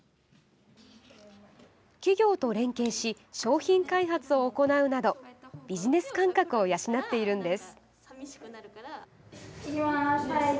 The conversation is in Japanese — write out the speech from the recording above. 企業と連携し商品開発を行うなどビジネス感覚を養っているんです。